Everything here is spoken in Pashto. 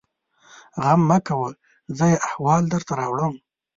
_غم مه کوه! زه يې احوال درته راوړم.